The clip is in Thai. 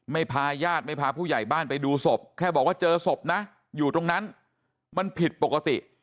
พาญาติไม่พาผู้ใหญ่บ้านไปดูศพแค่บอกว่าเจอศพนะอยู่ตรงนั้นมันผิดปกติ